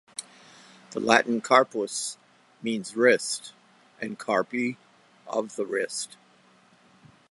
The Latin carpus means wrist, and carpi of the wrist.